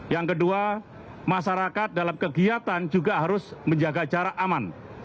yang kedua masyarakat dalam kegiatan juga harus menjaga jarak aman